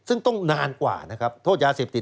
ซึ่งต้องนานกว่านะครับโทษยาเสพติด